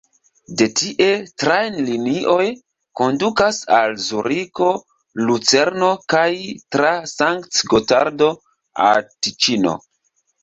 De tie trajnlinioj kondukas al Zuriko, Lucerno kaj tra Sankt-Gotardo al Tiĉino.